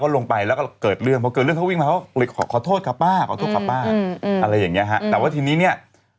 ก็เป็นรายการสุดเลยนะ